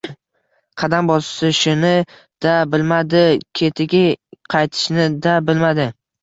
Qadam bosishini-da bilmadi, ketiga qaytishini-da bilmadi.